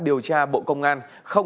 điều tra bộ công an